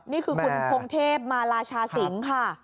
นี่คือคุณพงเทพมาราชาสิงค่ะ